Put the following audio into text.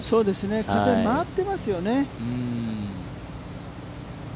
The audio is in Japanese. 風、回ってますよね。